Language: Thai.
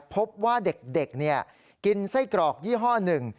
พบว่าเด็กกินไส้กรอกยี่ห้อหนึ่ง